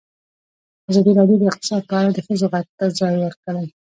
ازادي راډیو د اقتصاد په اړه د ښځو غږ ته ځای ورکړی.